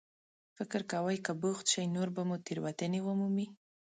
فکر کوئ که بوخت شئ، نور به مو تېروتنې ومومي.